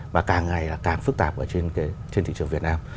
và càng ngày càng phức tạp trên thị trường việt nam